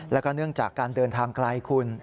แล้วก็เนื่องจากการเดินทางไกลคุณ